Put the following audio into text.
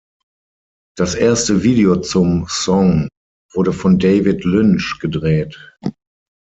Das erste Video zum Song wurde von David Lynch gedreht.